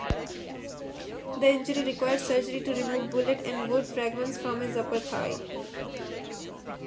The injury required surgery to remove bullet and wood fragments from his upper thigh.